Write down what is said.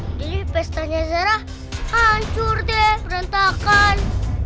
jadi pestanya zara hancur deh berantakan